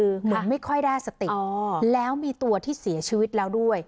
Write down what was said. เหมือนไม่ค่อยได้สติแล้วมีตัวที่เสียชีวิตแล้วด้วย